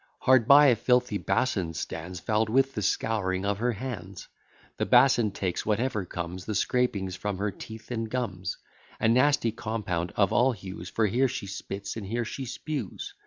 Hard by a filthy bason stands, Foul'd with the scouring of her hands: The bason takes whatever comes, The scrapings from her teeth and gums, A nasty compound of all hues, For here she spits, and here she spues.